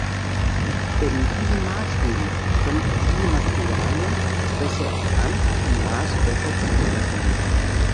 In diesen Maßstäben können verschiedene Materialien besser erkannt und Maße besser zugeordnet werden.